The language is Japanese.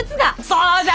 そうじゃ！